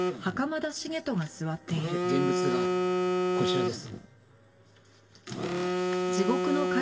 現物がこちらです。